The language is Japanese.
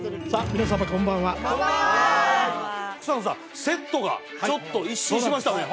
皆様こんばんはこんばんは草野さんセットがちょっと一新しましたね